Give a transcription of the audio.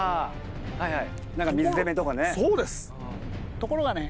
ところがね